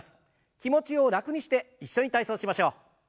気持ちを楽にして一緒に体操しましょう。